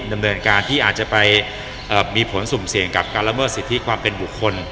ดำเนินการที่อาจจะไปมีผลสุ่มเสี่ยงกับการละเมิดสิทธิความเป็นบุคคล